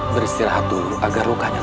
beristirahat dulu agar rukanya